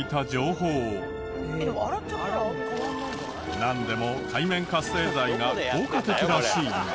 なんでも界面活性剤が効果的らしいが。